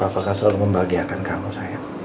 mani untuk rancas